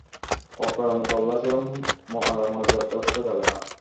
অকারণে তল্লাশি এবং মালামাল জব্দ করা যাবে না।